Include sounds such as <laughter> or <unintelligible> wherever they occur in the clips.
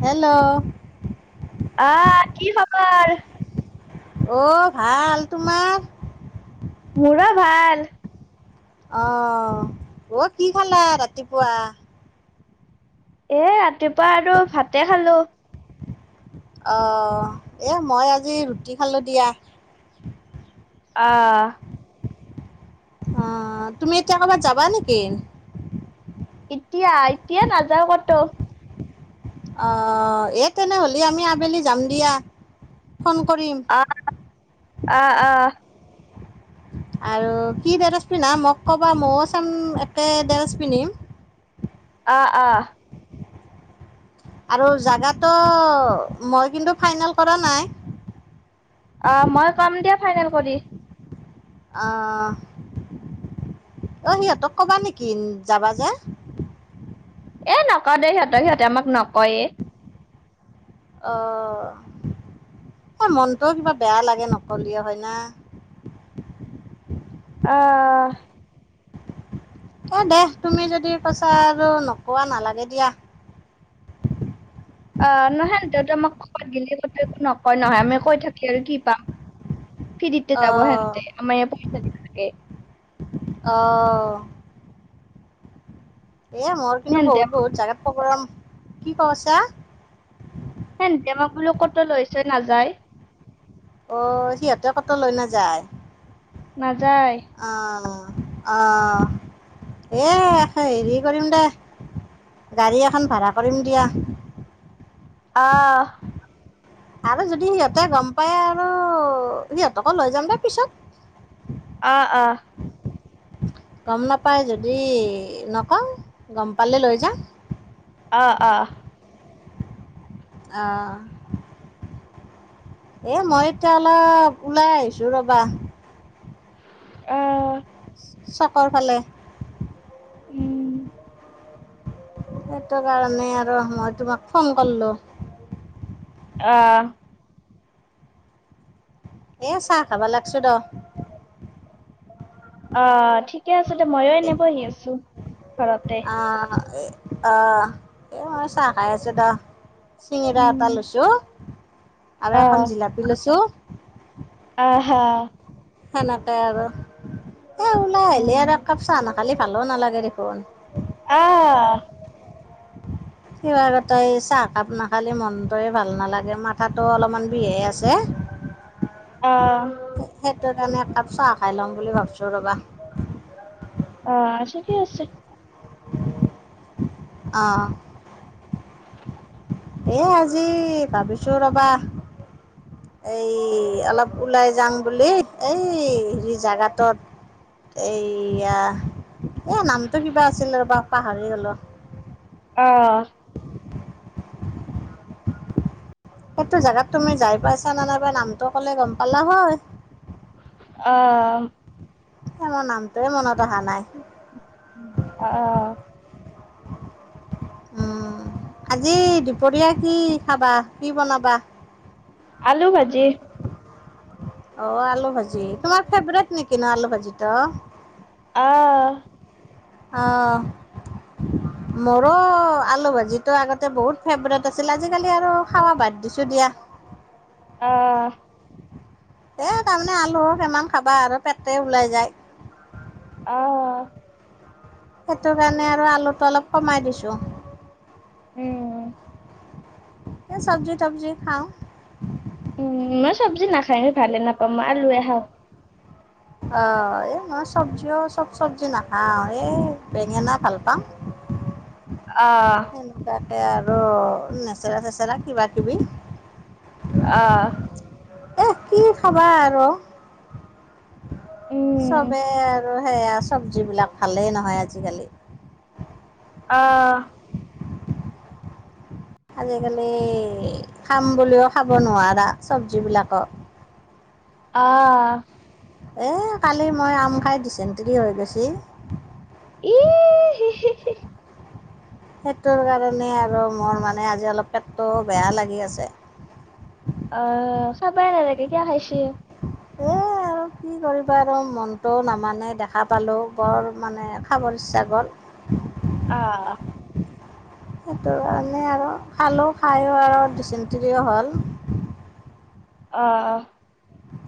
Hello অঁ, কি খবৰ? অ', ভাল তোমাৰ? মোৰো ভাল। অ', অ', কি খালা ৰাতিপুৱা? এ ৰাতিপুৱা এইটো আৰু ভাতে খালো। অ', এ মই আজি ৰুটি খালো দিয়া। অ। অহ, তুমি এতিয়া ক'ৰবাত যাবা নেকি? ইতিয়া, ইতিয়া নাযাওঁ কতো। অ', এ তেনেহ'লে আমি আবেলি যাম দিয়া। ফোন কৰিম। অ', অ। আৰু কি ড্ৰেৰেছ পিন্ধা মোক ক'বা ময়ো চাম একে ড্ৰেছ পিন্ধিম। অ', অ। আৰু জাগাটো মই কিন্তু ফাইনেল কৰা নাই। অ', মই কম দিয়া ফাইনেল কৰি। অহ, অ', সিহঁতক কবা নেকি যাবা যে? এ নক দে সিহঁতক সিহঁতে আমাক নকয়ে। অ', মনটোও কিবা বেয়া লাগে নকলি হয় না? অহ। এ দে তুমি যদি কৈছা আৰু নোকোৱা নালাগে দিয়া। অ', নহয়ন দেতো আমাক কাত গিলি কথা একো নকয় নহয়, আমি কৈ থাকি আৰু কি পাম? ফ্ৰীৰিতে যাব অহ হেহতে আমাৰ অহ <unintelligible> এই মোৰ কিন্তু সেহতে বহুত, বহুত জাগাত প্ৰগ্ৰাম। কি কইচা? হেন ডেমাক বোলো ক'তো লৈ চৈ নাযায়। অ', সিহঁতে ক'তো লৈ নাযায়। নাযায়। অ', এ হেৰি কৰিম দে গাড়ী এখন ভাড়া কৰিম দিয়া। অহ। আৰু যদি সিহঁতে গম পায় আৰু সিহঁতকো লৈ যাম দে পিছত। অ', অ। গম নাপায় যদি নকওঁ গম পালে লৈ যাম। অ', অ। অ এ মই এতিয়া অলপ ওলাই আহিছো ৰ'বা। অ। চকৰ ফালে। উম। সেইটো কাৰণে আৰু মই তোমাক ফোন কৰলো। অহ। এ চাহ খাবা লাগছো দ। অ। ঠিকে আছে দে, মইয়ো এনেই বহি আছো ঘৰতে। আ, এই মই চা, খায় আছোঁ দা চিঙিৰা উম। এটা লৈছোঁ। আৰু আহ এখন জিলাপি লৈছোঁ। অ', হা সেনেকে আৰু। এ, ওলাই আহিলি উম, আৰু একাপ চাহ নাখালি ভালো নালাগে দেখোন। আহ কিবা আগতে এই চাহ একাপ নাখালে মনটোৱে ভাল নালাগে মাথাটো অলপমান বিহে আছে। আহ সেইটোৰ কাৰণে একাপ চাহ খাই ল'ম বুলি ভাব অ', <unintelligible> ঠিকে আছে। অঁ। এ আজি ভাবিছো ৰ'বা এই অলপ ওলাই যাম বুলি। এই হেৰি জাগটোত এয়া এ নামটো কিবা আছিলে ৰ'বা, পাহৰি গলো। অঁহ '। সেইটো জেগাত তুমি যাই পাইছা নে নাই বা। নামটো কলে গম পালা হয়। অঁ,। মোৰ নামটোৱে মনত অহা নাই। আহ উম, আজি দুপৰীয়া কি খাবা, কি বনাবা? আলু ভাজি অঁ, আলু ভাজি। তোমাৰ ফেভৰেট নেকি ন আলু ভাজিটো? অঁ,। অ', মোৰো আলু ভাজিটো আগতে বহুত ফেভৰেট আছিল। আজিকালি আৰু খাৱা বাত দিছোঁ দিয়া আহ এহ, তাৰমানে আলু কিমান খাবা আৰু পেটে ওলাই যায়। আহ সেইটো কাৰণে আৰু আলুটো অলপ কমাই দিছোঁ। উম এ চব্জি-তব্জি খাওঁ। উম মই চব্জি নাখাই ভালে নাপাও। মই আলু এ খাওঁ। অ', এ মই চব্জিও চব চব্জি নাখাও এ বেঙেনা ভাল পাম। আহ সেনকা এ, আৰু নেচেৰা-চেচেৰা কিবা কিবি। অঁহ'। এহ, কি খাবা আৰু উম চবেই আৰু সেয়া চব্জিবিলাক ভালেই নহয় আজিকালি। অঁহ'। আজিকালি খাম বুলিও খাব নোৱাৰা চব্জিবিলাকক। অঁহ'। এ কালি মই আম খাই দিচণ্টৰি হৈ গৈছী। এহিহিহি। সেইটোৰ কাৰণে আৰু মোৰ মানে আজি অলপ পেটটোও বেয়া লাগি আছে। অহ ' খাবই নালাগে, কিয়া খাইছ? এ, আৰু কি কৰিবা আৰু মনটোও নামানে দেখা পালো বৰ মানে খাবৰ ইচ্ছা গল অ সেইটো কাৰণে আৰু খালোঁ খাইো আৰু দিচেন্ত্ৰীও হ'ল। অ',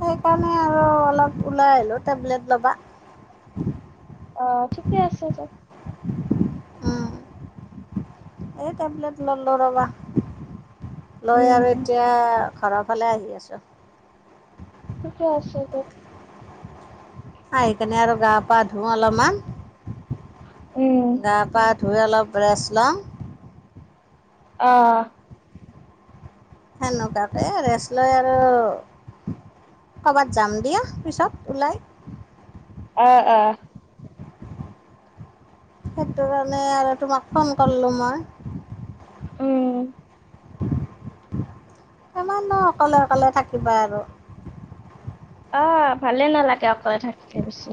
সেইকাৰণে আৰু অলপ ওলাই আহিলো টেবলেট ল'বা। অ ঠিকে আছে দে। উম এই টেবলেট ললো ৰবা। লৈ আৰু উম এতিয়া ঘৰ ফালে আহি আছো। ঠিকে আছে ত আহি কেনে আৰু গা পা ধুও অলপমান। উম গা পা ধুই অলপ ৰেষ্ট লওঁ। আহ সেনেকুৱাকে ৰেষ্ট লৈ আৰু ক'বাত যাম দিয়া পিছত ওলাই। আহ আহ। সেইটো কাৰণে আৰু তোমাক ফোন কৰিলোঁ মই। উম। কিমান নো অকলে অকলে থাকিবা আৰু। অ ভালে নালাগে অকলে থাকি বেছি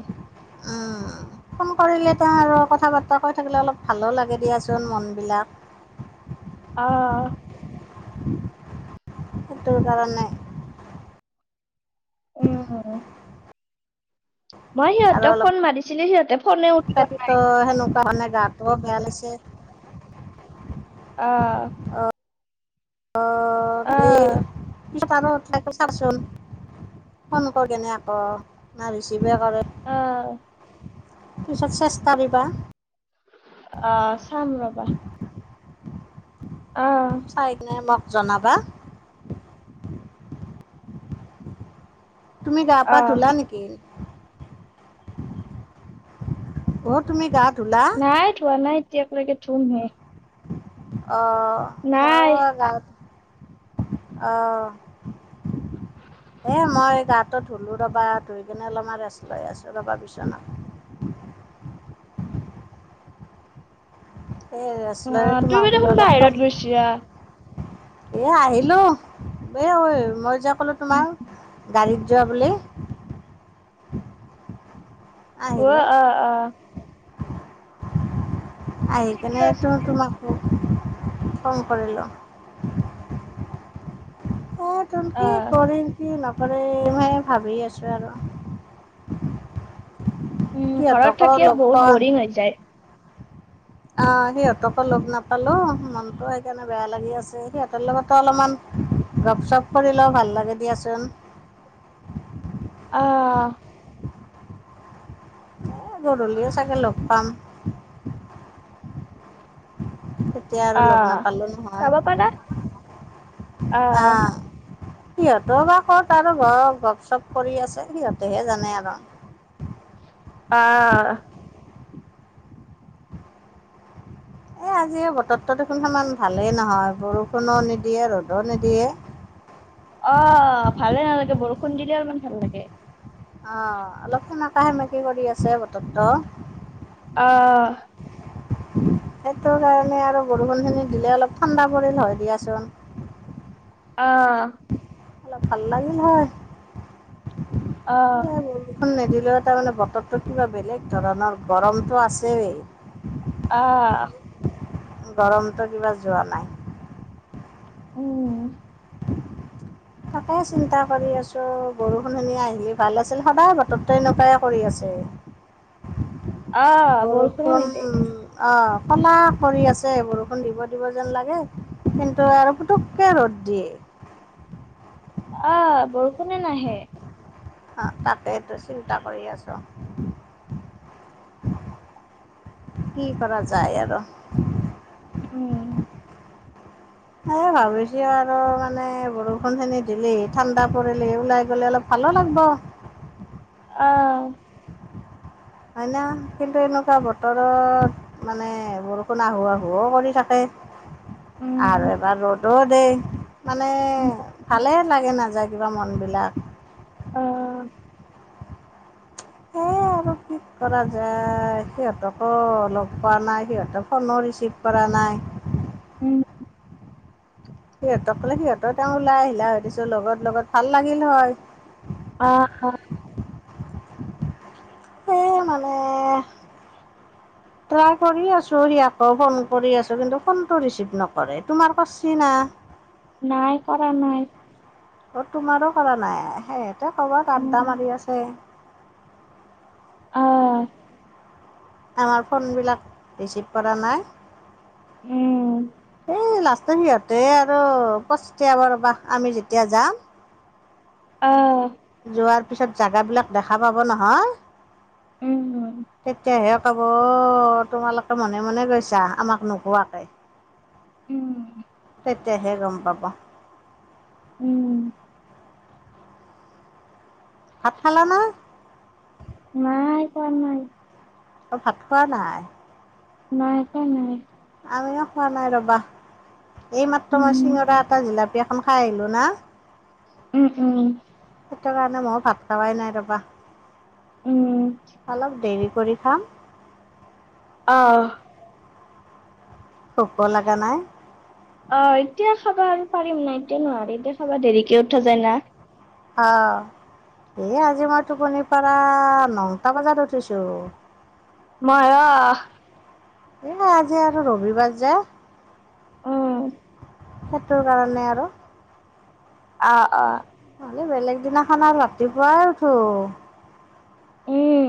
উম ফোন কৰিলে তেওঁ আৰু কথা বাৰ্তা কৈ থাকিলে অলপ ভালো লাগে দিয়াচোন মনবিলাক। আহ। সেইটোৰ কাৰণে উম <unintelligible> মই সিহঁতক ফোন মাৰিছিলো সিহঁতক পেট সেনেকুৱা মানে গাতোও ভাল আছে। আহ। অ। আহ উঠ চাচোন ফোন কৰ কেনে আকৌ ভাবিছো কিবা কৰে। আহ পিছত চেষ্টা দিবা। অ চাম ৰবা। আহ চাইক নে মোক জনাবা। তুমি গা পা আহ ধূলা নেকি? <unintelligible> অ তুমি গা ধূলা? এতিয়া একেলকে ধুম হে। অঁ ময়ো গাঁৱ- আহ হ মই গাটো ধুলো ৰবা ধুই কিনে অলপমান ৰেষ্ট লৈ আছো ৰবা বিছনা হয়! আহ তু বাৰ দেখোন বাহিৰত গৈছা। এ আহিলো এই ঐ মই যও! তোমাৰ উম, গাড়ীত যাবলৈ। অ 'হেল্ল'! অ অ অ ঠিকে 'তেনে আছে দিয়া। কম কৰি লো এ তম কি আহ কৰিম কি নাপা কৰি মে ভাবি আছোঁ আৰু উম! ঘৰত সিহঁতকো থাকিয়ে লগ বহুত বৰিং হৈ যায়। আহ সিহঁতকো লগ নাপালো, মনটো সেইকাৰণে বেয়া লাগি আছে সিহঁতৰ লগতো অলপমান গপ চপ কৰিলেও ভাল লাগে দিয়াচোন অ ' হ! গধূলিও চাগে লগ পাম। <inaudible> হয়। তেতিয়া আৰু লগ আহ নাপালো নহয় চাব পাৰা আহ আহ! সিহঁতৰ বা ক'ত আৰু ঘ গপ চপ কৰি আছে সিহঁতেহে জানে আৰু আহ এ আজি বতৰটো দেখোন সমান ভালেই নহয়' বৰষুণো নিদিয়ে ৰ'দো নিদিয়ে অ ভালে নালাগে বৰষুণ খুন্দিলে অলমান ভাল লাগে। আহ অলপ সেমকাা সেমকি কৰি আছে বতৰটো আহ! সেইটো কাৰণে আৰু বৰষুণ খিনি দিলে অলপ ঠাণ্ডা পৰিল হয় দিয়াচোন আহ! অলপ ভাল লাগিল হয়। আহ উ' খন নিদিলেও তাৰমানানে বতৰটো কিবা বেলেগ ধৰণৰ গৰমতটো আছেই। আহ! গৰমতটো কিবা যোৱা নাই উম! তাকে চিন্তা কৰি আছো, বৰষুণিন আহি ভাল আছিল সদায় বতৰতে এনেকুৱাই কৰি আছে আহ বলছ ন নিট অ ক'লা কৰি আছে বৰষুণ দিব দিব যেন লাগে কিন্তু আৰু পুতুককৈ ৰ'দ দিয়ে। আহ বৰষুণে নাহে আহ তাকেইটো চিন্তা কৰি আছো, কি কৰা যায় আৰু, উম'। এ, ভাবিছ আৰু মানে বৰষুণ খিনি দিলিহ ঠাণ্ডা পৰিলি ওলাই গলে অলপ ভালো লাগব। আহ'। হয় না, কিন্তে কা বতৰত মানে বৰষুণ আহো আহুও কৰি থাকে। আৰু উম এবাৰ ৰ'দোত দে মানে ভালে লাগে নাযায় কিবা মন বিলাক আহ সেই আৰু কি কৰা যায়, সিহঁতকো লগ পোৱা নাই। সিহঁতেক ফোনো ৰিচিভ কৰা নাই। উম '। সিহঁতক কলে সিহঁতেৰ তেওঁ ওলাই আহিলা হয়। দিছো লগত লগত ভাল লাগিল হয়। অ, অ'। স মানে। ট্ৰাই কৰি আছো আকৌ ফোন কৰি আছো কিন্তু ফোনটো ৰিচিভ নকৰে। তোমাৰ কছি না? নাই কৰা নাই। অ, তোমাৰো কৰা নাই সেই ত কৰবাত আড্ডা উম মাৰি আছে। অহ '। আমাৰ ফোনবিলাক ৰিচিভ কৰা নাই। উম'। এই লাষ্টৰ সিহঁতে আৰু পচতিয়ব ৰবা। আমি যেতিয়া যাম। অহ '। যোৱাৰ পিছত জোগাবিলাক দেখা পাব নহয়। উম তেতিয়া হে কব, তোমালোকে মনে মনে গৈছা আমাক নোহোৱাকে। উম '। তেতিয়াহে গম পাব। উম'। ভাত খালা নাই? নাই, খোৱা নাই। অ, ভাত খোৱা নাই। নাই খোৱা নাই। আমিও খোৱা নাই ৰ'বা। এই মাত্ৰ মই উম, চিঙৰা এটা জিলাপিয় অখন খাই আহিলোঁ না। উম, উম'। সেইটো কাৰণে মই ভাত খাৱাই নাই ৰবা। উম, অলপ দেৰি কৰি খাম। আহ'। ভোক লগা নাই। অ' এতিয়া খাবা আৰু পাৰিম নাই এতিয়া নোৱাৰ এতিয়া খাবা দেৰিকে উঠা যায় না। অ 'এ আজি মই টোপনিৰ পৰা নটা বজাত উঠিছো ময়ো অ ' <inaudible> উম, সেইটোৰ কাৰণে আৰু। <inaudible> খালি বেলেগ দিনাখন আৰু ৰাতিপুৱাই উঠো উম,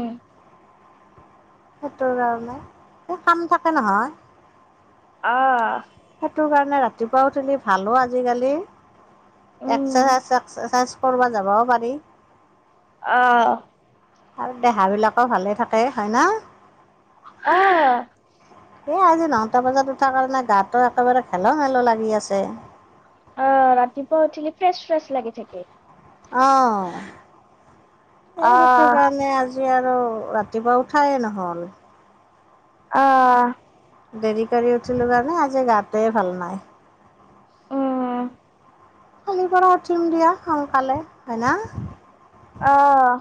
সেইটোৰ কাৰণে এই কাম থাকে নহয়। অ ' সেইটো কাৰণে ৰাতিপুৱা উঠিলি ভালো আজিকালি উম, এক্সাৰচাইজ চেক্সাৰচাইজ কৰিব যাবও পাৰি। আহ আৰু দেহ বিলাকো ভালে থাকে হয় ন' অ' এই আজি নটা বজাত উঠা কাৰণে গাো একেবাৰে খেল মেলো লাগি আছে। আহ ৰাতিপুৱা উঠিলি ফ্ৰেছ ফ্ৰেছ লাগি থাকে। অ ' সেইটো অ', কাৰণে আজি আজি আৰু ৰাতিপুৱা উঠায়ে নহ'ল অ ' দেৰি কৰি উম কালিৰ পৰা উঠিম দিয়া সোনকালে হয়না। অ',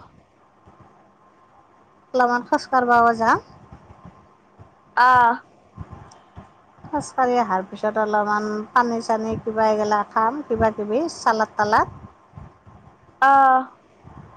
অলপমান খোজ কঢ়াব যাম অ ' খোজকাঢ়ি অহাৰ পিছত অলপমান পানী চানী কিবা এইগিলা খাম কিবাাকিবি চালাত তালাত অ '